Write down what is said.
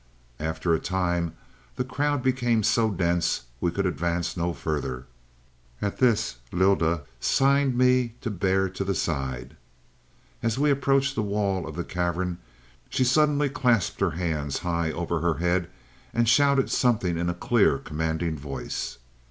"After a time the crowd became so dense we could advance no further. At this Lylda signed me to bear to the side. As we approached the wall of the cavern she suddenly clasped her hands high over her head and shouted something in a clear, commanding voice.